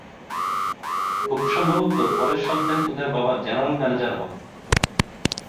খুব সম্ভবত পরের সপ্তাহে তোদের বাবা জেনারেল ম্যানেজার হবে।